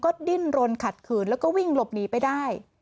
ก็ดิ้นรนขัดขืนแล้วก็วิ่งหลบหนีไปได้